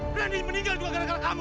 berani meninggal juga karena karena kamu